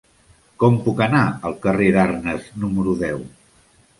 Com puc anar al carrer d'Arnes número deu?